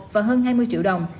và hơn hai mươi triệu đồng